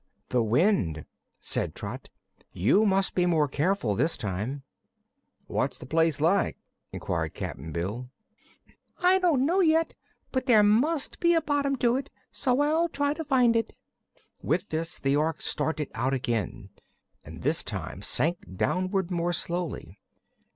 "The wind," said Trot. "You must be more careful, this time." "What's the place like?" inquired Cap'n Bill. "I don't know, yet; but there must be a bottom to it, so I'll try to find it." With this the Ork started out again and this time sank downward more slowly.